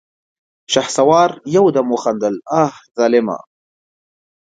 شهسوار يودم وخندل: اه ظالمه!